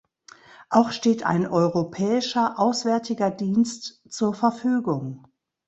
Auch steht ein Europäischer Auswärtiger Dienst zur Verfügung.